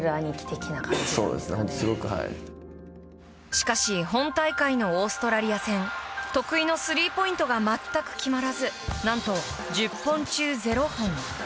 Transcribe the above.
しかし本大会のオーストラリア戦得意のスリーポイントが全く決まらず何と１０本中０本。